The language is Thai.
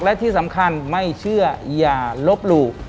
และที่สำคัญไม่เชื่ออย่าลบหลู่